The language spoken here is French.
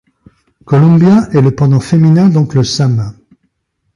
Columbia est le pendant féminin d'Oncle Sam.